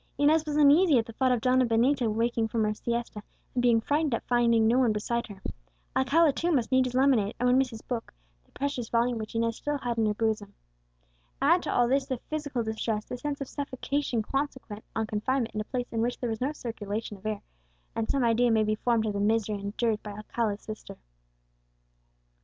Inez was uneasy at the thought of Donna Benita awaking from her siesta, and being frightened at finding no one beside her. Alcala, too, must need his lemonade, and would miss his Book, the precious volume which Inez had still in her bosom. Add to all this the physical distress, the sense of suffocation consequent on confinement in a place in which there was no circulation of air, and some idea may be formed of the misery endured by Alcala's sister.